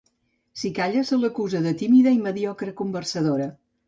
Si calla, se l'acusa de tímida i mediocre conversadora.